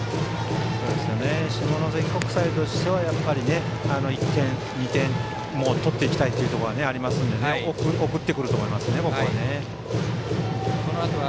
下関国際としては１点、２点取っていきたいというところがありますので送ってくると思います、ここは。